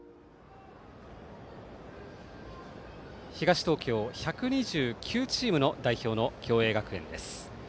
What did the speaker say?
東東京１２９チームの代表の共栄学園です。